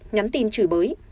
nhắn tin chửi bới